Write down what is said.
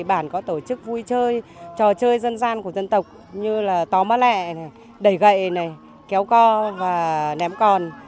bản có tổ chức vui chơi trò chơi dân gian của dân tộc như là tó má lẹ đẩy gậy kéo co và ném con